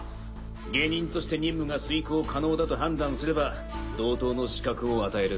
下忍として任務が遂行可能だと判断すれば同等の資格を与える。